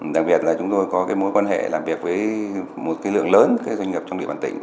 đặc biệt là chúng tôi có mối quan hệ làm việc với một lượng lớn doanh nghiệp trong địa bàn tỉnh